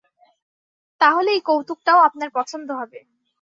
তাহলে এই কৌতুকটাও আপনার পছন্দ হবে।